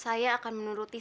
saya akan menuruti